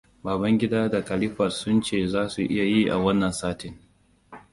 Babangida da Khalifat sun ce za su iya yi a wannan satin.